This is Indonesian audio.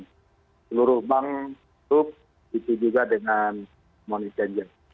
seluruh bank itu juga dengan monisian